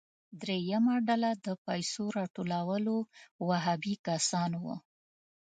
دریمه ډله د پیسو راټولولو وهابي کسان وو.